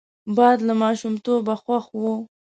باد له ماشومتوبه خوښ وو